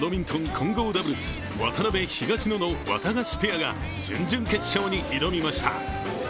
混合ダブルス渡辺・東野のワタガシペアが準々決勝に挑みました。